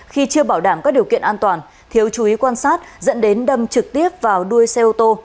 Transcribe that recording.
khi chưa bảo đảm các điều kiện an toàn thiếu chú ý quan sát dẫn đến đâm trực tiếp vào đuôi xe ô tô